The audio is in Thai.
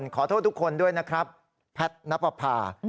ขอโทษทุกคนด้วยนะครับแพทย์นับประพา